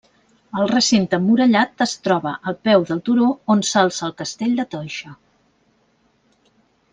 El recinte emmurallat es troba al peu del turó on s'alça el castell de Toixa.